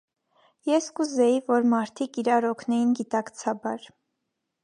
Ես կուզեի, որ մարդիկ իրար օգնեին գիտակցաբար: